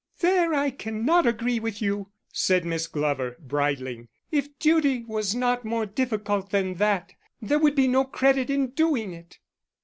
"There I cannot agree with you," said Miss Glover, bridling. "If duty was not more difficult than that there would be no credit in doing it."